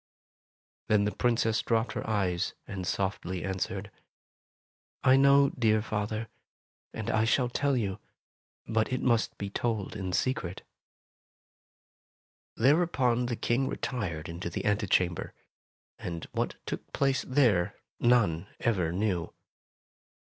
Then the Princess dropped her eyes and softly answered, " I know, dear father, and I shall tell you, but it must be told in secret." Thereupon the King retired into the ante chamber, and what took place there, none ever knew.